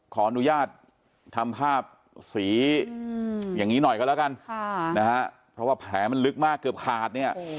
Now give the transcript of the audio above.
ขออนุญาตทำภาพฟรุ้งสีอย่างนี้หน่อยกันแล้วกันนะฮะเพราะว่าแผลมันลึกมากเกือบขาด